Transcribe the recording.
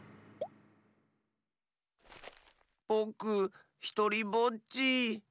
ぼくひとりぼっち。